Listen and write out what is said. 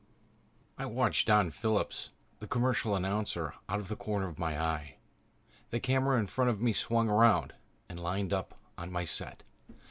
I watched Don Phillips, the commercial announcer, out of the corner of my eye. The camera in front of me swung around and lined up on my set.